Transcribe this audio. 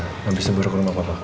habis itu baru ke rumah papa ya